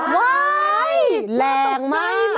ไว้แรงมากดูจ่ายมากแม่ตกใจ